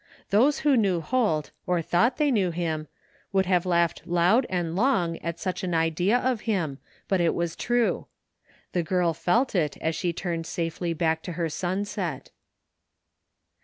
Those who knew Holt, or thought they knew him, would have laughed loud and long at such an idea of him, but it was true. The girl felt it as she tiuned safely back to her sunset.